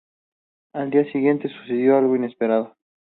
Al día siguiente sucedió algo inesperado.